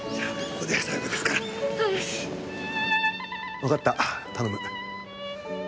わかった頼む。